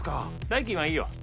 代金はいいよ。